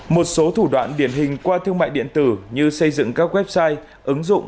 một số thủ đoạn điển hình qua thương mại điện tử như xây dựng các website ứng dụng